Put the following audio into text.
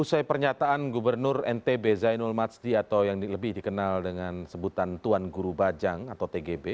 usai pernyataan gubernur ntb zainul masdi atau yang lebih dikenal dengan sebutan tuan guru bajang atau tgb